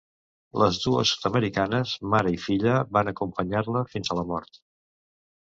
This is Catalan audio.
Les dues sud-americanes, mare i filla, van acompanyar-la fins a la mort.